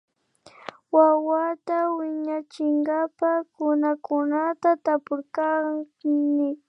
Wawata wiñachinkapa kunakunata tapurkani